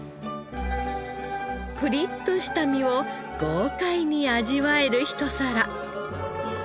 プリッとした身を豪快に味わえる一皿。